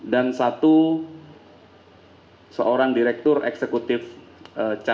dan satu seorang direktur eksekutif caca